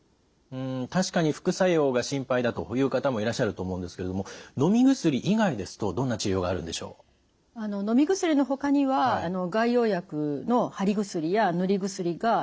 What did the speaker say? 確かに副作用が心配だという方もいらっしゃると思うんですけれどものみ薬以外ですとどんな治療があるんでしょう？のみ薬のほかには外用薬の貼り薬や塗り薬が使われることがあります。